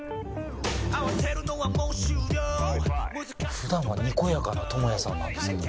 普段はにこやかなトモヤさんなんですけど